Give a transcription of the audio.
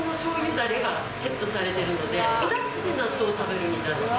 だれがセットされているので、おだしで納豆を食べるみたいな感じ。